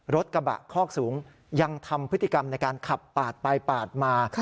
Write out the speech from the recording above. รถกระบะคอกสูงยังทำพฤติกรรมในการขับปาดไปปาดมา